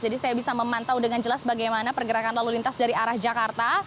jadi saya bisa memantau dengan jelas bagaimana pergerakan lalu lintas dari arah jakarta